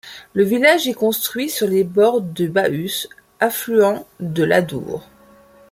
Le village est construit sur les bords du Bahus, affluent de l'Adour.